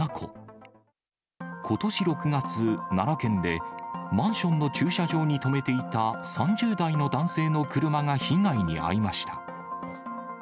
ことし６月、奈良県でマンションの駐車場に止めていた３０代の男性の車が被害に遭いました。